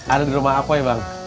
ada di rumah apa ya bang